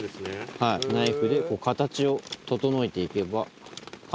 はいナイフで形を整えて行けば。